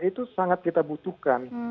itu sangat kita butuhkan